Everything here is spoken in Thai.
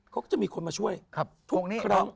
เขาก็จะมีคนมาช่วยทุกครั้ง